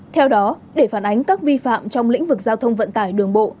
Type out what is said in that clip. theo đó để phản ánh các vi phạm trong lĩnh vực giao thông vận tải đường bộ